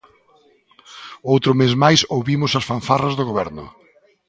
Outro mes máis ouvimos as fanfarras do goberno.